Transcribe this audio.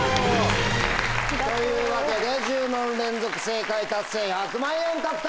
というわけで１０問連続正解達成１００万円獲得！